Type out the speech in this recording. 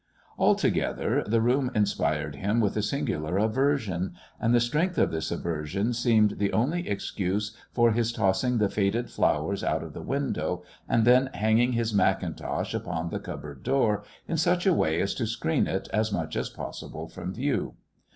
Altogether, the room inspired him with a singular aversion, and the strength of this aversion seemed the only excuse for his tossing the faded flowers out of the window, and then hanging his mackintosh upon the cupboard door in such a way as to screen it as much as possible from view.